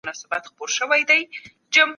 د ذمي په ژوند احترام وکړئ.